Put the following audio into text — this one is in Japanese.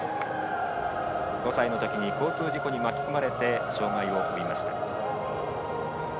５歳のときに交通事故に巻き込まれて障がいを負いました。